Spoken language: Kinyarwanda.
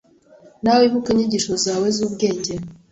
Na we Ibuka inyigisho zawe zubwenge